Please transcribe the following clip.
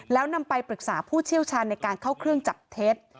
แล้วนำไปปรึกษาผู้เชี่ยวชาญในการเข้าเครื่องจับเท็จ